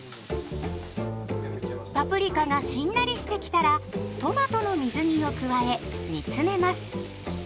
パプリカがしんなりしてきたらトマトの水煮を加え煮詰めます。